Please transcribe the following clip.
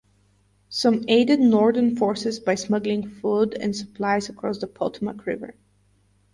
Some aided Northern forces by smuggling food and supplies across the Potomac River.